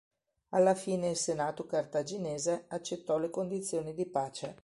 Alla fine il senato cartaginese accettò le condizioni di pace.